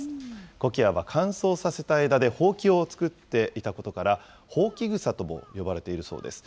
コキアは乾燥させた枝でホウキを作っていたことから、ホウキグサとも呼ばれているそうです。